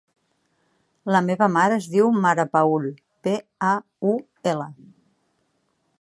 La meva mare es diu Mara Paul: pe, a, u, ela.